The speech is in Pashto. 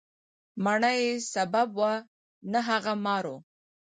مڼه یې سبب وه، نه هغه مار و.